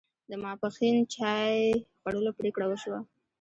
د ماپښین چای خوړلو پرېکړه وشوه.